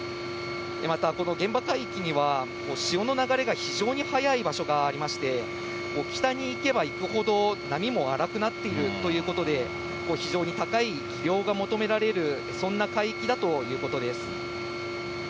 また、この現場海域には、潮の流れが非常に速い場所がありまして、北に行けば行くほど、波も荒くなっているということで、非常に高い技量が求められる、そんな海域だということです。